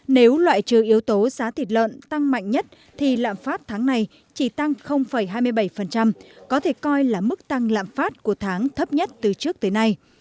nếu loại trừ yếu tố giá thịt lợn tăng mạnh nhất thì lạm phát tháng này chỉ tăng hai mươi bảy có thể coi là mức tăng lạm phát của tháng thấp nhất từ trước tới nay